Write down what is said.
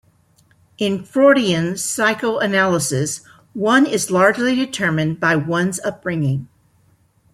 In Freudian psychoanalysis, one is largely determined by one's upbringing.